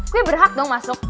gue berhak dong masuk